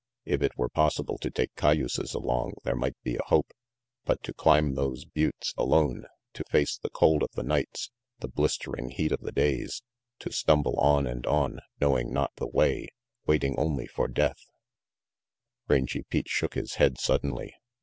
If it were possible to take cay uses along, there might be a hope; but to climb those buttes 350 RANGY PETE alone, to face the cold of the nights, the blistering heat of the days, to stumble on and on, knowing not the way, waiting only for death Rangy Pete shook his head suddenly.